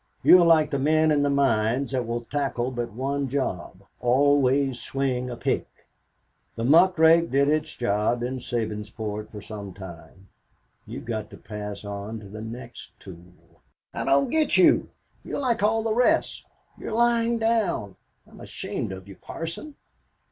You're like the men in the mines that will tackle but one job, always swing a pick. The muck rake did its job in Sabinsport for some time. You've got to pass on to the next tool." "I don't get you. You're like all the rest. You're lying down. I'm ashamed of you, Parson.